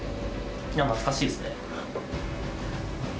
懐かしいっすね。